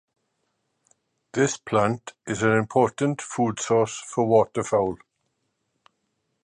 This plant is an important food source for waterfowl.